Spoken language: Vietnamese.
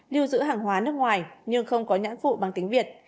lưu giữ hàng hóa nước ngoài nhưng không có nhãn phụ bằng tiếng việt